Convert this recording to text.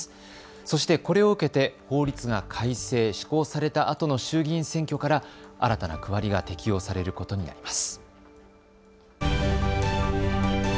そしてこれを受けて法律が改正・施行されたあとの衆議院選挙から新たな区割りが適用されることになります。